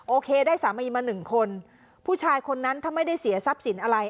โอเคได้สามีมาหนึ่งคนผู้ชายคนนั้นถ้าไม่ได้เสียทรัพย์สินอะไร